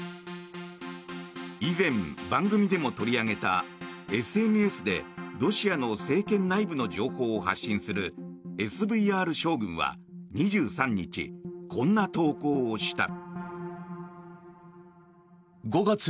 以前、番組でも取り上げたＳＮＳでロシアの政権内部の情報を発信するＳＶＲ将軍は２３日こんな投稿をした。